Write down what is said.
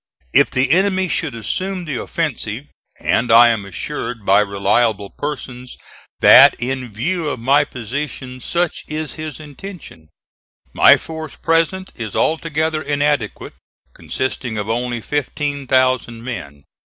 If the enemy should assume the offensive, and I am assured by reliable persons that in view of my position such is his intention, my force present is altogether inadequate, consisting of only 15,000 men.